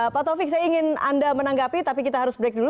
pak taufik saya ingin anda menanggapi tapi kita harus break dulu